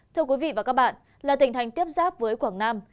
thưa quý vị và các bạn là tình hình tiếp giáp với quảng nam